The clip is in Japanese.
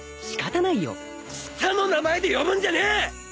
下の名前で呼ぶんじゃねえ！